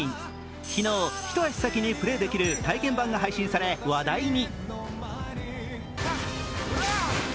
昨日一足早くプレーできる体験版が配信され、話題に。